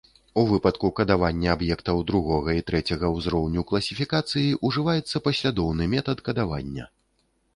У выпадку кадавання аб'ектаў другога і трэцяга ўзроўню класіфікацыі ўжываецца паслядоўны метад кадавання.